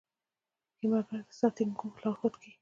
کیمیاګر د سانتیاګو لارښود کیږي.